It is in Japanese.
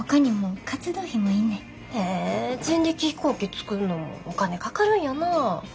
へえ人力飛行機作んのお金かかるんやな。